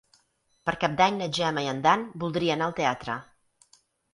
Per Cap d'Any na Gemma i en Dan voldria anar al teatre.